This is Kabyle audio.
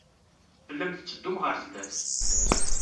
Tellam tetteddum ɣer sdat.